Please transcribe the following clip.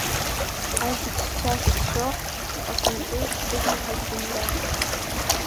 Ҳаит, зегьы шәцәа шәацәшәо шәҟасымҵеи шәыгәнаҳа сзымгааит!